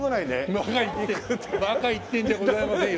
バカ言ってバカ言ってんじゃございませんよ。